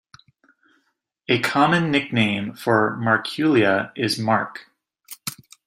A common nickname for "Markuelia" is 'Mark'.